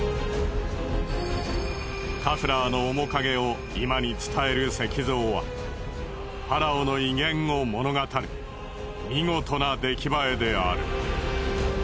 カフラーの面影を今に伝える石像はファラオの威厳を物語る見事な出来栄えである。